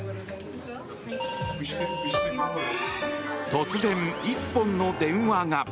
突然、１本の電話が。